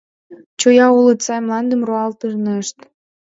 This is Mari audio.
—— Чоя улыт, сай мландым руалтынешт!